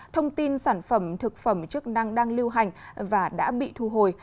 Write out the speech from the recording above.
thông tin sản phẩm thực phẩm chức năng đang lưu hành và đã bị thu hồi